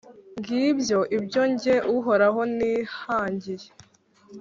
ngibyo ibyo jye uhoraho, nihangiye.